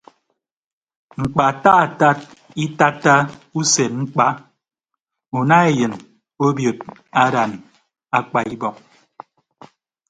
Ñkpataatat itatta usen ñkpa una eyịn obiot adan akpa ibọk.